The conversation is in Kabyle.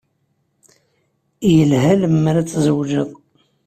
Yelha lemmer ad tzewǧeḍ.